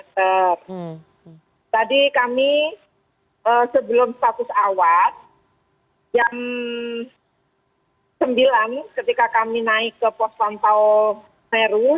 tadi kami sebelum status awas jam sembilan ketika kami naik ke pos pantau meru